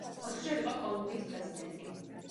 ოთხჯერ იყო კოლუმბიის პრეზიდენტი.